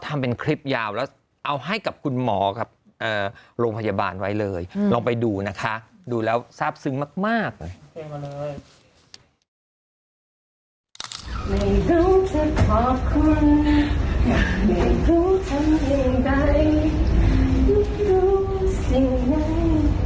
ไม่รู้จะขอบคุณไม่รู้ทำยังไงไม่รู้สิ่งไหน